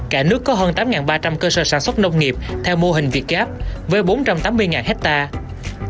cả nước có hơn tám ba trăm linh cơ sở sản xuất nông nghiệp theo mô hình việt gap với bốn trăm tám mươi hectare